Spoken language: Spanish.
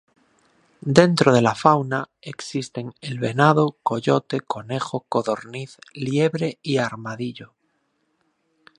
Dentro de la fauna existen el venado, coyote, conejo, codorniz, liebre y armadillo.